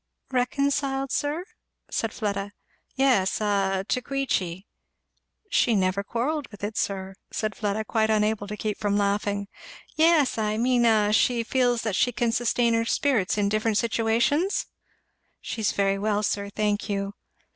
"Reconciled, sir?" said Fleda. "Yes a to Queechy?" "She never quarrelled with it, sir," said Fleda, quite unable to keep from laughing. "Yes, I mean a she feels that she can sustain her spirits in different situations?" "She is very well, sir, thank you."